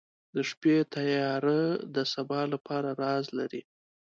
• د شپې تیاره د سبا لپاره راز لري.